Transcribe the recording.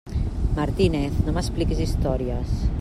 Martínez, no m'expliquis històries!